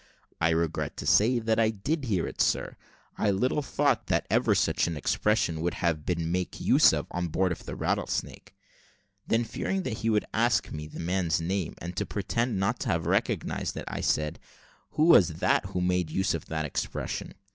"I regret to say that I did hear it, sir; I little thought that ever such an expression would have been make use of on board of the Rattlesnake." Then fearing he would ask me the man's name, and to pretend not to have recognised it, I said, "Who was that who made use of that expression?"